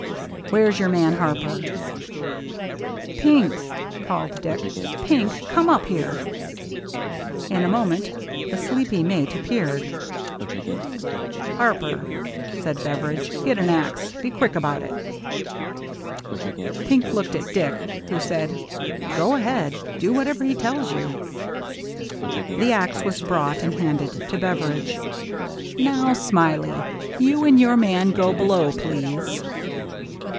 " Where's your man Harper ?" "Pink," called Dick. "Pink, come up here." In a moment the sleepy mate appeared. THE EVENING OF THE SAME DAY 211 "Harper," said Beveridge, "get an axe. Be quick about it." Pink looked at Dick, who said, " Go ahead. Do whatever he tells you." The axe was brought and handed to Beveridge. " Now, Smiley, you and your man go below, please."